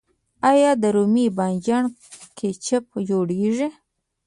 آیا د رومي بانجان کیچپ جوړیږي؟